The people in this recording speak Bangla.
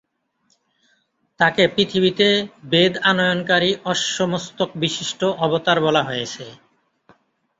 তাকে পৃথিবীতে বেদ-আনয়নকারী অশ্বমস্তক-বিশিষ্ট অবতার বলা হয়েছে।